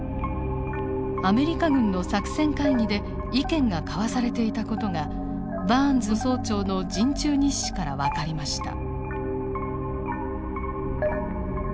アメリカ軍の作戦会議で意見が交わされていた事がバーンズ曹長の陣中日誌から分かりました。